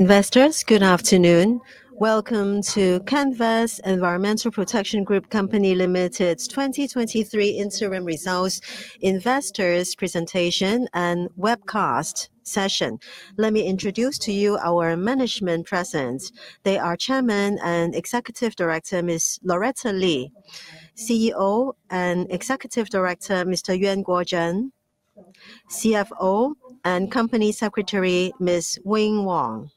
Investors, good afternoon. Welcome to Canvest Environmental Protection Group Company Limited's 2023 Interim Results Investors Presentation and Webcast session. Let me introduce to you our management presence. They are Chairman and Executive Director, Ms. Loretta Lee. CEO and Executive Director, Mr. Yuan Guozhen. CFO and Company Secretary, Ms. Wing Wong.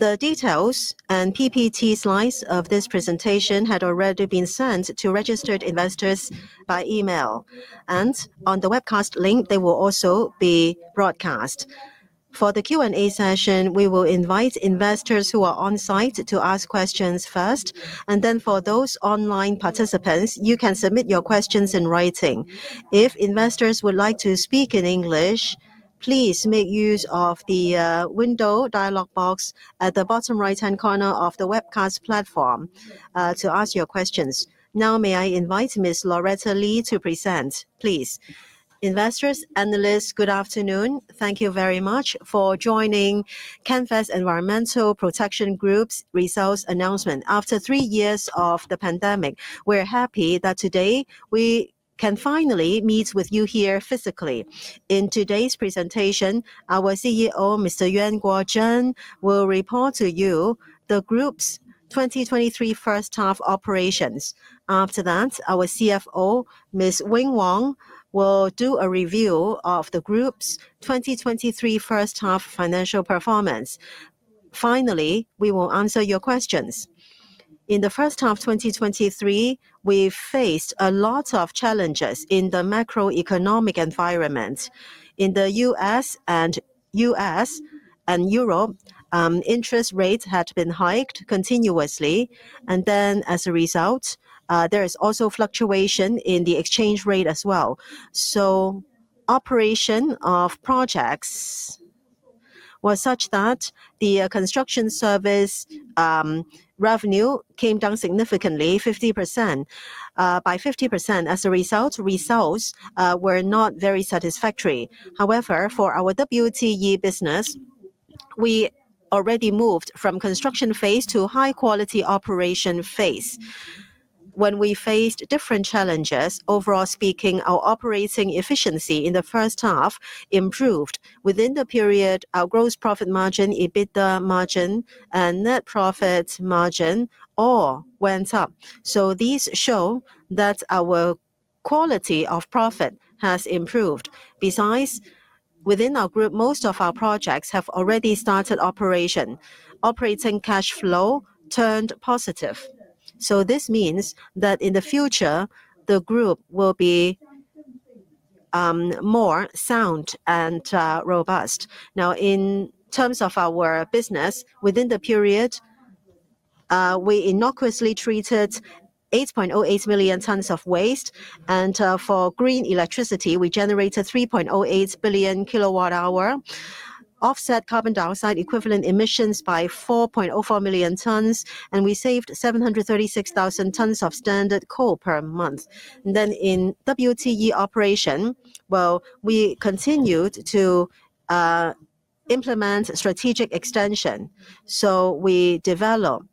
The details and PPT slides of this presentation had already been sent to registered investors by email. On the webcast link, they will also be broadcast. For the Q&A session, we will invite investors who are on-site to ask questions first. For those online participants, you can submit your questions in writing. If investors would like to speak in English, please make use of the window dialog box at the bottom right-hand corner of the webcast platform to ask your questions. Now, may I invite Ms. Loretta Lee to present, please. Investors, analysts, good afternoon. Thank you very much for joining Canvest Environmental Protection Group's results announcement. After three years of the pandemic, we're happy that today we can finally meet with you here physically. In today's presentation, our CEO, Mr. Yuan Guozhen, will report to you the Group's 2023 first half operations. After that, our CFO, Ms. Wing Wong, will do a review of the Group's 2023 first half financial performance. Finally, we will answer your questions. In the first half of 2023, we faced a lot of challenges in the macroeconomic environment. In the U.S. and Europe, interest rates had been hiked continuously, as a result, there is also fluctuation in the exchange rate as well. Operation of projects was such that the construction service revenue came down significantly, 50%, by 50%. As a result, results were not very satisfactory. However, for our WTE business, we already moved from construction phase to high quality operation phase. When we faced different challenges, overall speaking, our operating efficiency in the first half improved. Within the period, our gross profit margin, EBITDA margin, and net profit margin all went up. These show that our quality of profit has improved. Besides, within our group, most of our projects have already started operation. Operating cash flow turned positive. This means that in the future, the group will be more sound and robust. Now in terms of our business, within the period, we innocuously treated 8.08 million tons of waste. For green electricity, we generated 3.08 billion kilowatt-hours, offset carbon dioxide equivalent emissions by 4.04 million tons, and we saved 736,000 tons of standard coal per month. In WTE operation, well, we continued to implement strategic extension. We develop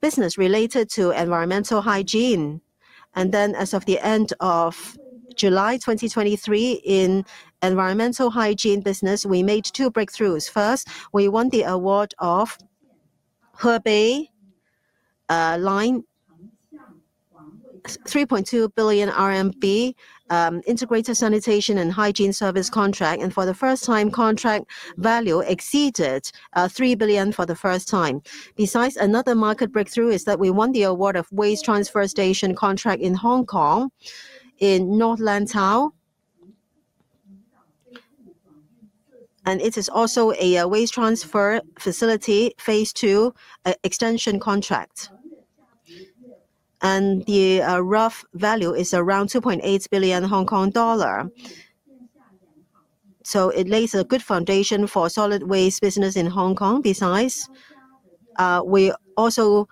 business related to environmental hygiene. As of the end of July 2023 in environmental hygiene business, we made two breakthroughs. First, we won the award of Hebei 3.2 billion RMB integrated sanitation and hygiene service contract. For the first time, contract value exceeded 3 billion for the first time. Besides, another market breakthrough is that we won the award of Waste Transfer Station contract in Hong Kong in North Lantau. It is also a waste transfer facility, phase II, extension contract. The rough value is around 2.8 billion Hong Kong dollar. It lays a good foundation for solid waste business in Hong Kong. Besides, we also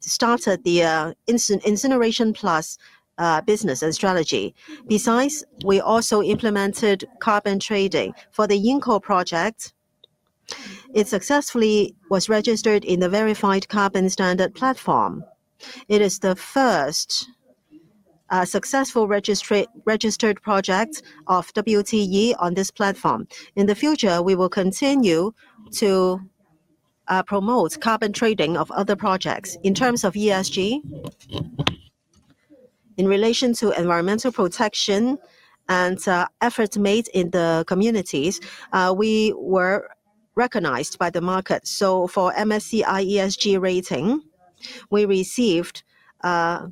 started the Incineration + business and strategy. Besides, we also implemented carbon trading. For the Yingkou project, it successfully was registered in the Verified Carbon Standard platform. It is the first successful registered project of WTE on this platform. In the future, we will continue to promote carbon trading of other projects. In terms of ESG, in relation to environmental protection and efforts made in the communities, we were recognized by the market. For MSCI ESG rating, we received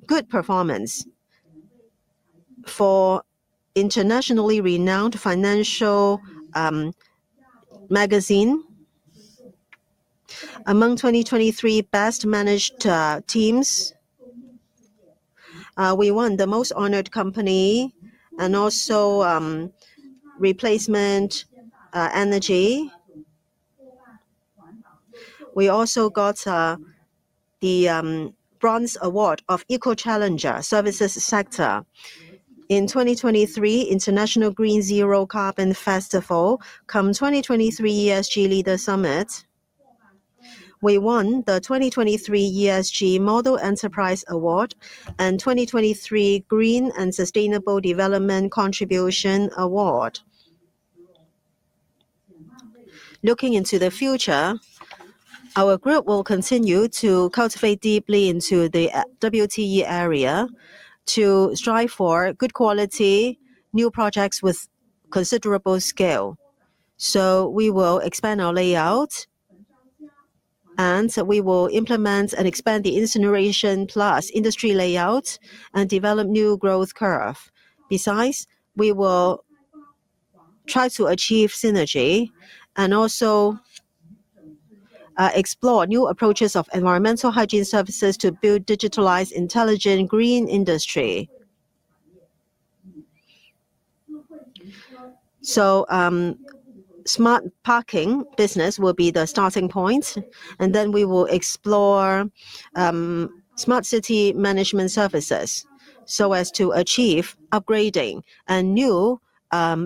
good performance. For internationally renowned financial magazine, among 2023 best managed teams, we won the most honored company and also replacement energy. We also got the bronze award of EcoChallenger Services Sector. In 2023, International Green Zero Carbon Festival cum 2023 ESG Leader Summit, we won the 2023 ESG Model Enterprise Award and 2023 Green and Sustainable Development Contribution Award. Looking into the future, our group will continue to cultivate deeply into the WTE area to strive for good quality, new projects with considerable scale. We will expand our layout, and we will implement and expand the Incineration + industry layout and develop new growth curve. Besides, we will try to achieve synergy and also explore new approaches of environmental hygiene services to build digitalized intelligent green industry. Smart parking business will be the starting point, and then we will explore smart city management services so as to achieve upgrading and new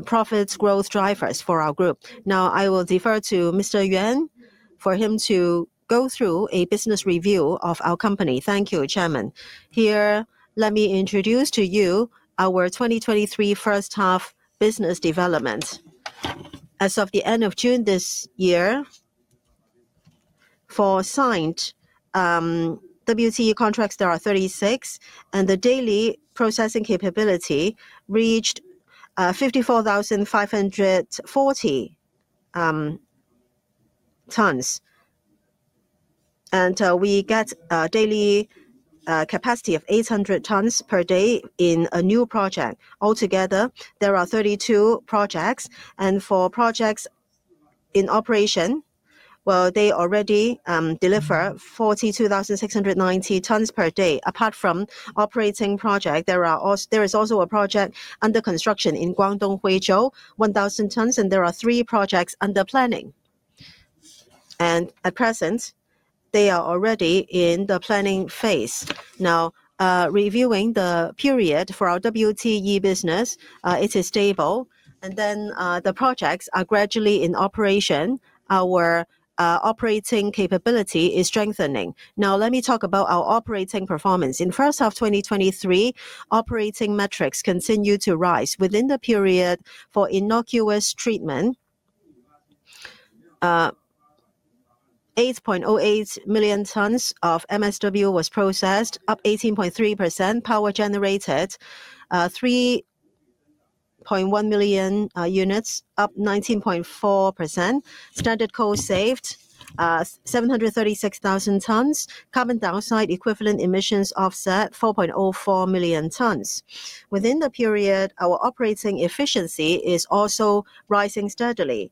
profits growth drivers for our group. Now I will defer to Mr. Yuan for him to go through a business review of our company. Thank you, Chairman. Here, let me introduce to you our 2023 first half business development. As of the end of June this year, for signed WTE contracts, there are 36, and the daily processing capability reached 54,540 tons. We get a daily capacity of 800 tons per day in a new project. Altogether, there are 32 projects. For projects in operation, well, they already deliver 42,690 tons per day. Apart from operating project, there is also a project under construction in Guangdong, Huizhou, 1,000 tons. There are three projects under planning. At present, they are already in the planning phase. Reviewing the period for our WTE business, it is stable. The projects are gradually in operation. Our operating capability is strengthening. Let me talk about our operating performance. In first half 2023, operating metrics continued to rise. Within the period for innocuous treatment, 8.08 million tons of MSW was processed, up 18.3%. Power generated, 3.1 million units, up 19.4%. Standard coal saved, 736,000 tons. Carbon dioxide equivalent emissions offset, 4.04 million tons. Within the period, our operating efficiency is also rising steadily.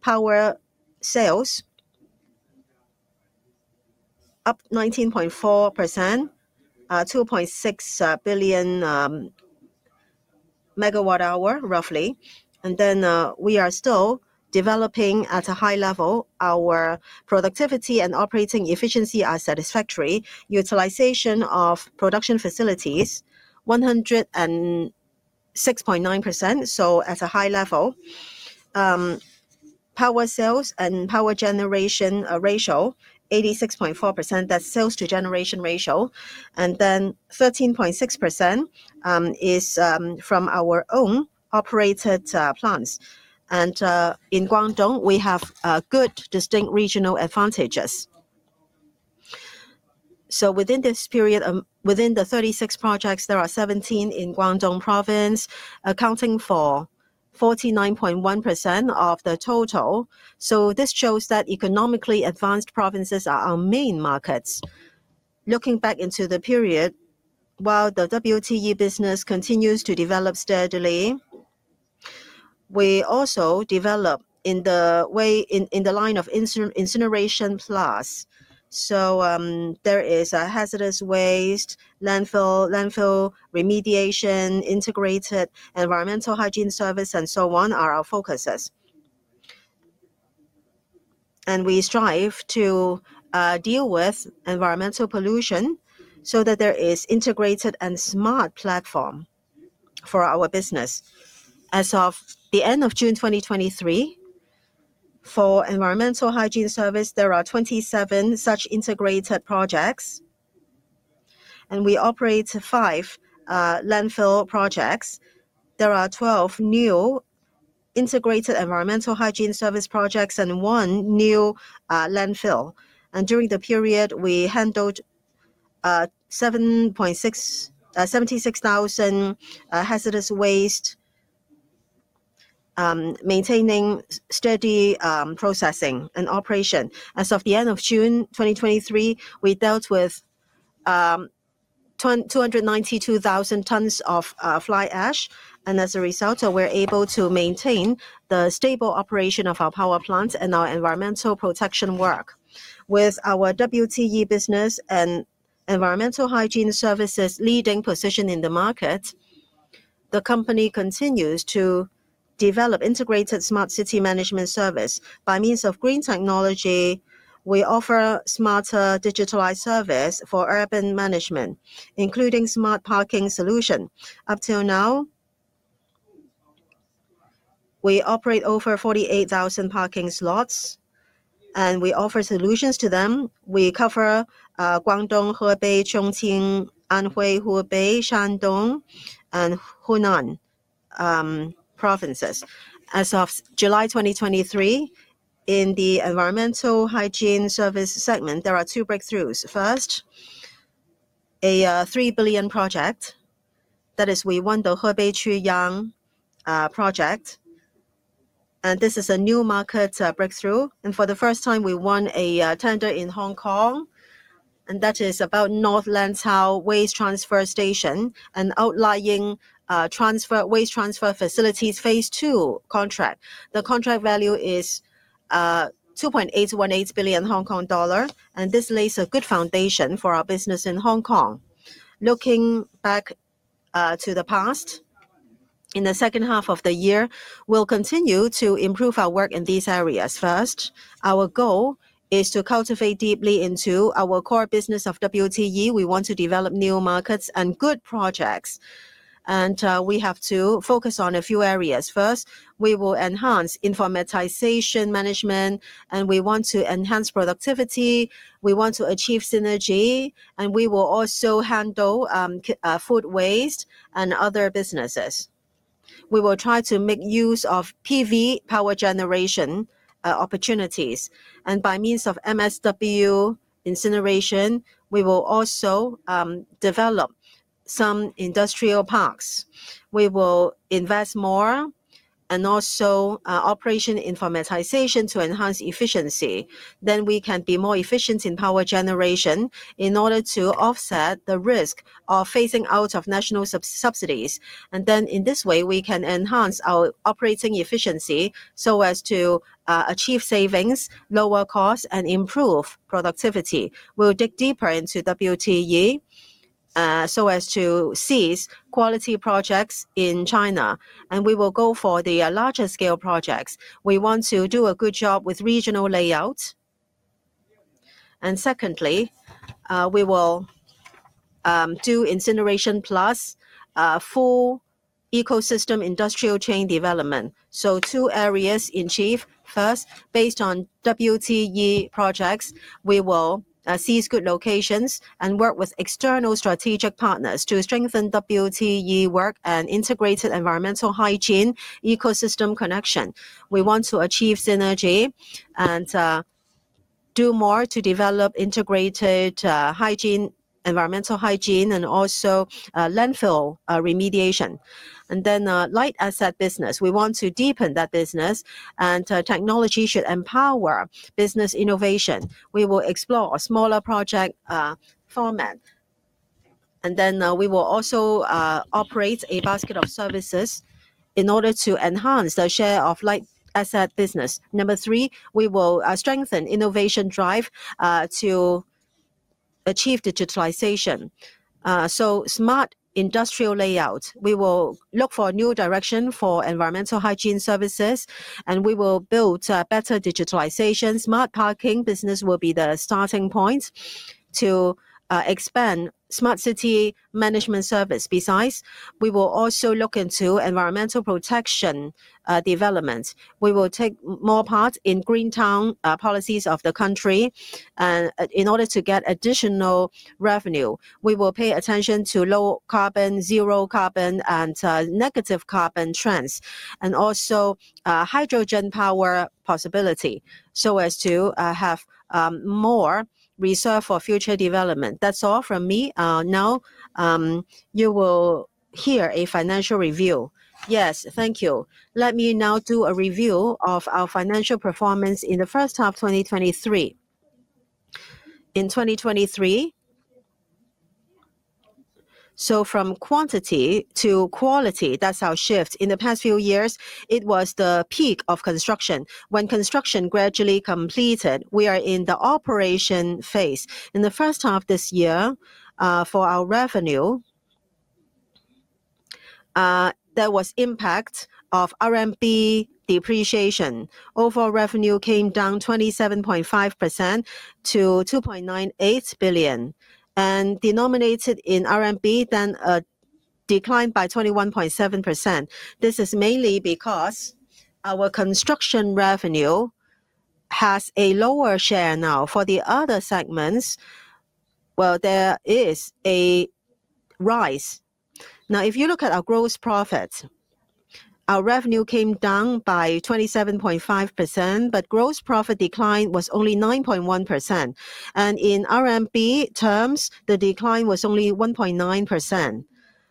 Power sales up 19.4%, 2.6 billion megawatt hour, roughly. We are still developing at a high level. Our productivity and operating efficiency are satisfactory. Utilization of production facilities, 106.9%, so at a high level. Power sales and power generation ratio, 86.4%. That's sales to generation ratio. 13.6% is from our own operated plants. In Guangdong, we have good distinct regional advantages. Within the 36 projects, there are 17 in Guangdong province, accounting for 49.1% of the total. This shows that economically advanced provinces are our main markets. Looking back into the period, while the WTE business continues to develop steadily, we also develop in the line of incineration plus. There is a hazardous waste, landfill remediation, integrated environmental hygiene service, and so on are our focuses. We strive to deal with environmental pollution so that there is integrated and smart platform for our business. As of the end of June 2023, for environmental hygiene service, there are 27 such integrated projects, and we operate five landfill projects. There are 12 new integrated environmental hygiene service projects and one new landfill. During the period, we handled 76,000 hazardous waste, maintaining steady processing and operation. As of the end of June 2023, we dealt with 292,000 tons of fly ash, and as a result, we're able to maintain the stable operation of our power plant and our environmental protection work. With our WTE business and environmental hygiene services leading position in the market. The company continues to develop integrated smart city management service. By means of green technology, we offer smarter digitalized service for urban management, including smart parking solution. Up till now, we operate over 48,000 parking slots, and we offer solutions to them. We cover Guangdong, Hebei, Chongqing, Anhui, Hubei, Shandong, and Hunan provinces. As of July 2023, in the environmental hygiene service segment, there are two breakthroughs. First, a 3 billion project. That is we won the Hebei Quyang project, and this is a new market breakthrough. For the first time, we won a tender in Hong Kong, and that is about North Lantau Waste Transfer Station and outlying waste transfer facilities phase 2 contract. The contract value is 2.818 billion Hong Kong dollar, and this lays a good foundation for our business in Hong Kong. Looking back to the past, in the second half of the year, we'll continue to improve our work in these areas. First, our goal is to cultivate deeply into our core business of WTE. We want to develop new markets and good projects. We have to focus on a few areas. First, we will enhance informatization management, and we want to enhance productivity. We want to achieve synergy, and we will also handle food waste and other businesses. We will try to make use of PV power generation opportunities. By means of MSW incineration, we will also develop some industrial parks. We will invest more and also operation informatization to enhance efficiency. We can be more efficient in power generation in order to offset the risk of phasing out of national subsidies. In this way, we can enhance our operating efficiency so as to achieve savings, lower costs, and improve productivity. We'll dig deeper into WTE so as to seize quality projects in China, and we will go for the larger-scale projects. We want to do a good job with regional layout. Secondly, we will do incineration plus full ecosystem industrial chain development. Two areas in chief. First, based on WTE projects, we will seize good locations and work with external strategic partners to strengthen WTE work and integrated environmental hygiene ecosystem connection. We want to achieve synergy and do more to develop integrated hygiene, environmental hygiene and also landfill remediation. Light asset business. We want to deepen that business, and technology should empower business innovation. We will explore a smaller project format. We will also operate a basket of services in order to enhance the share of light asset business. Number three, we will strengthen innovation drive to achieve digitalization. Smart industrial layout. We will look for a new direction for environmental hygiene services, and we will build better digitalization. Smart parking business will be the starting point to expand smart city management service. Besides, we will also look into environmental protection development. We will take more part in green town policies of the country, and in order to get additional revenue. We will pay attention to low carbon, zero carbon and negative carbon trends and also hydrogen power possibility so as to have more reserve for future development. That's all from me. Now, you will hear a financial review. Yes. Thank you. Let me now do a review of our financial performance in the first half 2023. In 2023, from quantity to quality, that's our shift. In the past few years, it was the peak of construction. When construction gradually completed, we are in the operation phase. In the first half this year, for our revenue, there was impact of RMB depreciation. Overall revenue came down 27.5% to 2.98 billion. Denominated in RMB, then declined by 21.7%. This is mainly because our construction revenue has a lower share now. For the other segments, well, there is a rise. If you look at our gross profit, our revenue came down by 27.5%, but gross profit decline was only 9.1%. In RMB terms, the decline was only 1.9%.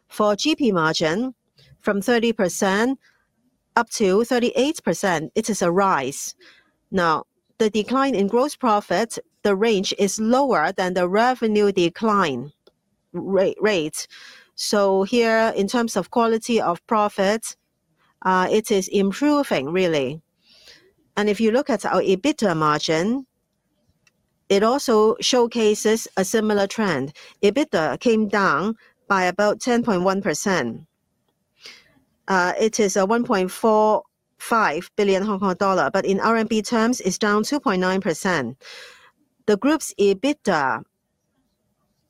For GP margin, from 30% up to 38%, it is a rise. The decline in gross profit, the range is lower than the revenue decline rate. Here, in terms of quality of profit, it is improving really. If you look at our EBITDA margin, it also showcases a similar trend. EBITDA came down by about 10.1%. It is a 1.45 billion Hong Kong dollar, in RMB terms, it's down 2.9%. The group's EBITDA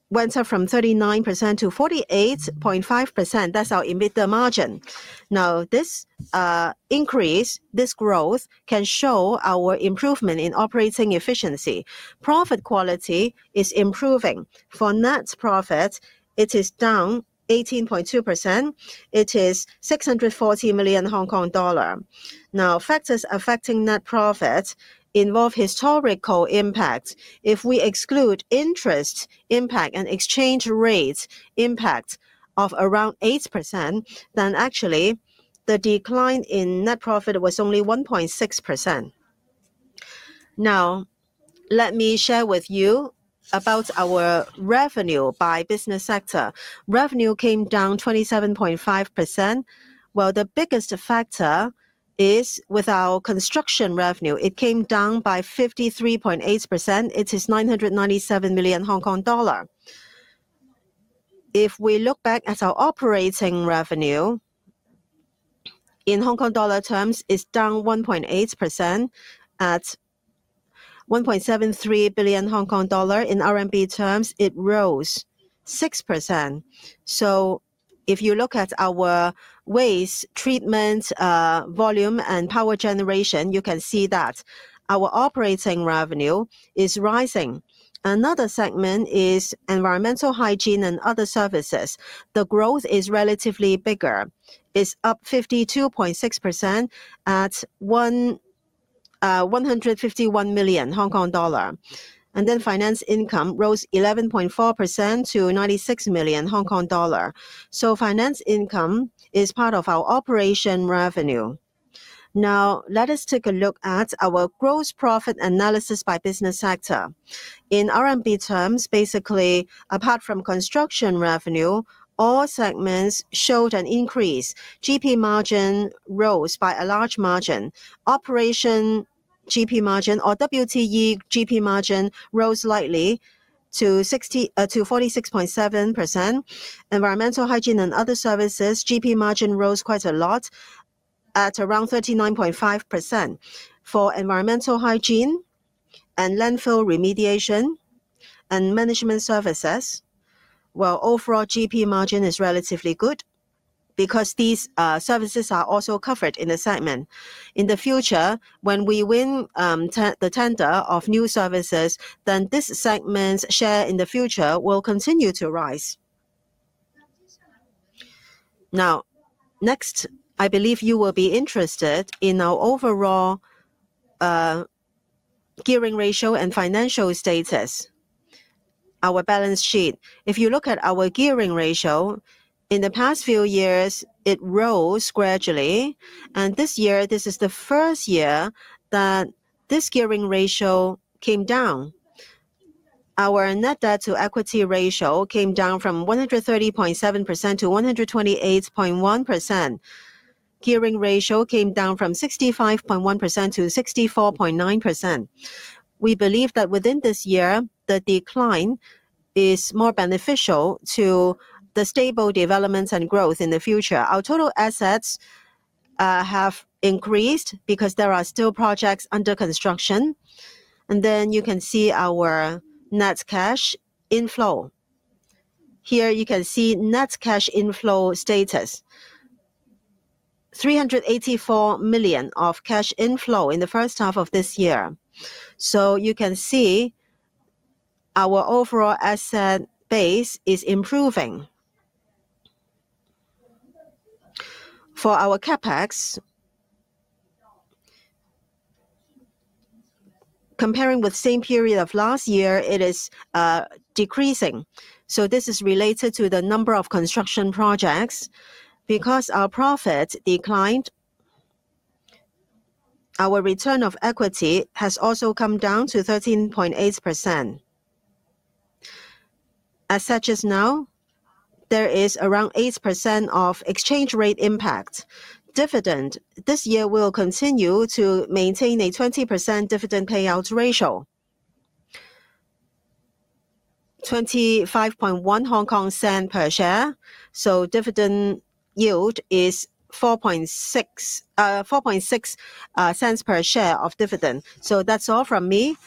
went up from 39%-48.5%. That's our EBITDA margin. This increase, this growth can show our improvement in operating efficiency. Profit quality is improving. For net profit, it is down 18.2%. It is 640 million Hong Kong dollar. Factors affecting net profit involve historical impact. If we exclude interest impact and exchange rates impact of around 8%, actually the decline in net profit was only 1.6%. Let me share with you about our revenue by business sector. Revenue came down 27.5%, the biggest factor is with our construction revenue. It came down by 53.8%. It is 997 million Hong Kong dollar. If we look back at our operating revenue, in HKD terms, it's down 1.8% at 1.73 billion Hong Kong dollar. In RMB terms, it rose 6%. If you look at our waste treatment volume and power generation, you can see that our operating revenue is rising. Another segment is environmental hygiene and other services. The growth is relatively bigger. It's up 52.6% at 151 million Hong Kong dollar. Finance income rose 11.4% to 96 million Hong Kong dollar. Finance income is part of our operation revenue. Now, let us take a look at our gross profit analysis by business sector. In RMB terms, basically, apart from construction revenue, all segments showed an increase. GP margin rose by a large margin. Operation GP margin or WTE GP margin rose slightly to 46.7%. Environmental hygiene and other services, GP margin rose quite a lot at around 39.5%. For environmental hygiene and landfill remediation and management services, while overall GP margin is relatively good because these services are also covered in the segment. In the future, when we win the tender of new services, this segment's share in the future will continue to rise. Next, I believe you will be interested in our overall gearing ratio and financial status, our balance sheet. If you look at our gearing ratio, in the past few years, it rose gradually, and this year, this is the first year that this gearing ratio came down. Our net debt to equity ratio came down from 130.7%-128.1%. Gearing ratio came down from 65.1%-64.9%. We believe that within this year, the decline is more beneficial to the stable development and growth in the future. Our total assets have increased because there are still projects under construction. You can see our net cash inflow. Here you can see net cash inflow status. 384 million of cash inflow in the first half of this year. You can see our overall asset base is improving. For our CapEx, comparing with same period of last year, it is decreasing. This is related to the number of construction projects. Because our profit declined, our return of equity has also come down to 13.8%. As such as now, there is around 8% of exchange rate impact. Dividend, this year we'll continue to maintain a 20% dividend payout ratio. HKD 0.251 per share. Dividend yield is 0.046 per share of dividend. That's all from me.